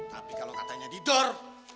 tapi kalau katanya didor